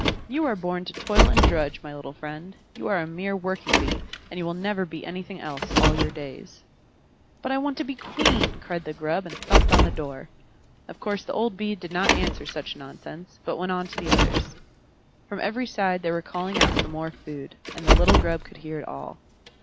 You are born to toil and drudge, my little friend. You are a mere working Bee, and you will never be anything else all your days." "But I want to be Queen!" cried the Grub, and thumped on the door. Of course the old Bee did not answer such nonsense, but went on to the others. From every side they were calling out for more food, and the little Grub could hear it all.